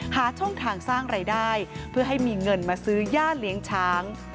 หาช่องทางสร้างรายได้เพื่อให้มีเงินมาซื้อย่าเลี้ยงช้าง